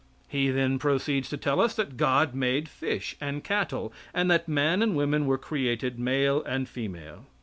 He then proceeds to tell us that God made fish and cattle, and that man and woman were created male and female.